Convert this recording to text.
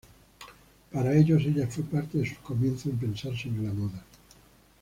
Para ellos ella fue parte de sus comienzos en pensar sobre la moda.